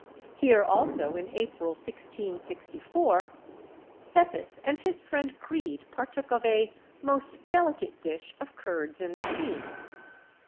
Here also, in April, 1664, Pepys and his friend Creed partook of "a most delicate dish of curds and cream."